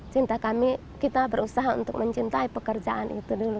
cinta kami kita berusaha untuk mencintai pekerjaan itu dulu